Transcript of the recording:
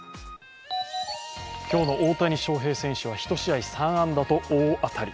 今日の大谷翔平選手は１試合３安打と大当たり。